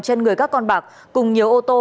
trên người các con bạc cùng nhiều ô tô